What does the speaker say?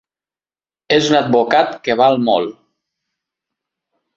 És un advocat que val molt.